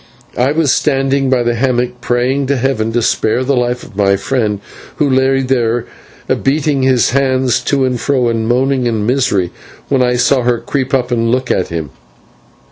I was standing by the hammock praying to heaven to spare the life of my friend, who lay there beating his hands to and fro and moaning in misery, when I saw her creep up and look at him.